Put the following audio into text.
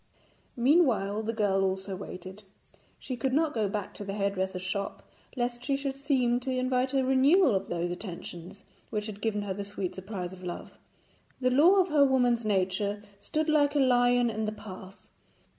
Meanwhile the girl also waited. She could not go back to the hairdresser's shop lest she should seem to invite a renewal of those attentions which had given her the sweet surprise of love. The law of her woman's nature stood like a lion in the path.